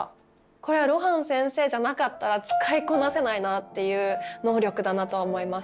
これは露伴先生じゃなかったら使いこなせないなっていう「能力」だなとは思います。